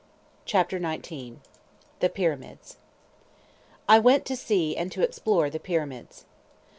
CHAPTER XIX—THE PYRAMIDS I went to see and to explore the Pyramids.